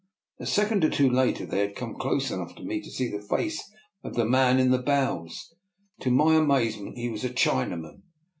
A second or two later they had come close enougJi for me to see the face of the man in the bows. To my amazement he was a China man!